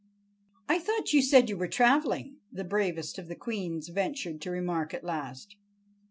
"I thought you said you were traveling," the bravest of the queens ventured to remark at last.